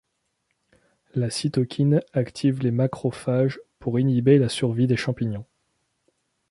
La cytokine active les macrophages pour inhiber la survie des champignons.